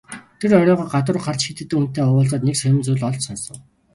Тэр оройгоо гадуур гарч хэд хэдэн хүнтэй уулзаад нэг сонин зүйл олж сонсов.